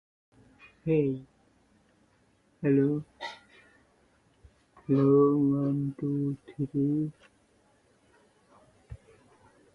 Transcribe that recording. They were unsuccessful.